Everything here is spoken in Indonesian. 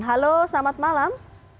halo selamat malam